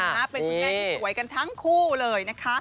เป็นคุณแม่ที่สวยกันทั้งคู่เลยนะคะ